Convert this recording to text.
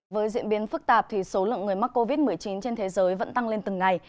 với diễn biến phức tạp số lượng người mắc covid một mươi chín trên thế giới vẫn tăng lên từng ngày